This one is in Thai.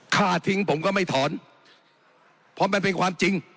ฆ่าทิ้งผมก็ไม่ถอนเพราะมันเป็นความจริง